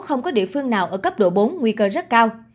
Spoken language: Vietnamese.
không có địa phương nào ở cấp độ bốn nguy cơ rất cao